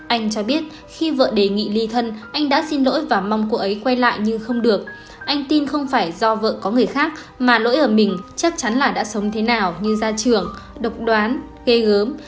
anh cho biết khi vợ đề nghị ly thân anh đã xin lỗi và mong cô ấy quay lại nhưng không được anh tin không phải do vợ có người khác mà lỗi ở mình chắc chắn là đã sống thế nào như ra trường độc đoán ghê gớm